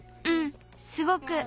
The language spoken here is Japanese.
うんすごく。